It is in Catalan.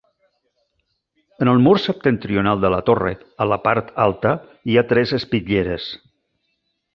En el mur septentrional de la torre, a la part alta, hi ha tres espitlleres.